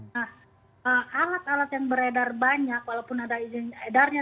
nah alat alat yang beredar banyak walaupun ada izin edarnya